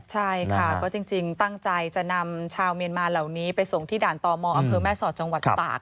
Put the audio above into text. ใช่ค่ะก็จริงตั้งใจจะนำชาวเมียนมาเหล่านี้ไปส่งที่ด่านตมอำเภอแม่สอดจังหวัดตาก